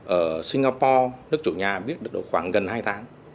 ở singapore nước chủ nhà biết được khoảng gần hai tháng